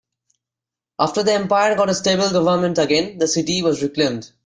After the empire got a stable government again, the city was reclaimed.